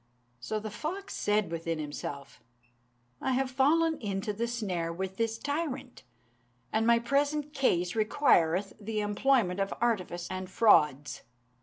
So the fox said within himself, "I have fallen into the snare with this tyrant, and my present case requireth the employment of artifice and frauds.